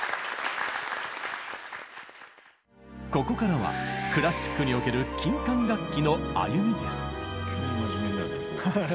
ここからはクラシックにおける金管楽器の歩みです。